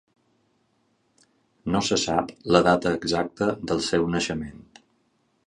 No se sap la data exacta del seu naixement.